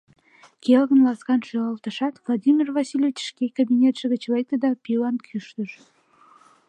Келгын-ласкан шӱлалтышат, Владимир Васильевич шке кабинетше гыч лекте да пийлан кӱштыш: